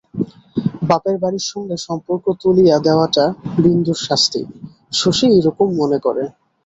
বাপের বাড়ির সঙ্গে সম্পর্ক তুলিয়া দেওয়াটা বিন্দুর শাস্তি, শশী এইরকম মনে করে।